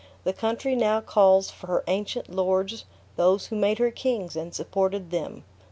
The country now calls for her ancient lords those who made her kings, and supported them.